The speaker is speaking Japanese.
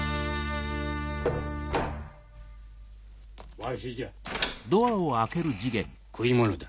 ・わしじゃ・食い物だ。